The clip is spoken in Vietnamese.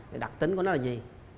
thì đặc tính của nó là gì